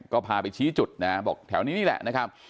ก็พาไปชี้จุดนะบอกแถวนี้นี่แหละนะครับ